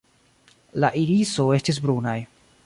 La iriso estis brunaj.